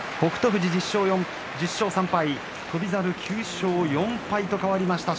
富士は１０勝３敗翔猿は９勝４敗と変わりました。